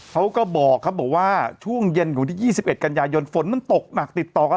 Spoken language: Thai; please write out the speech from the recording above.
เขาก็บอกครับบอกว่าช่วงเย็นของวันที่๒๑กันยายนฝนมันตกหนักติดต่อกัน